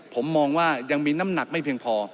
ผมมองว่ายังมีน้ำหนักไม่เพียงพอ